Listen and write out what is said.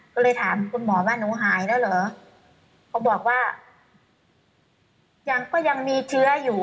ก็เลยถามคุณหมอว่าหนูหายแล้วเหรอเขาบอกว่ายังก็ยังมีเชื้ออยู่